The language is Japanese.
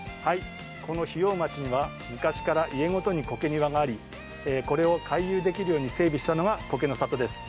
この日用町には昔から家ごとに苔庭があり、これを回遊できるように整備したのが苔の里です。